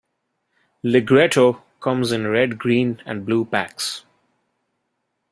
"Ligretto" comes in red, green, and blue packs.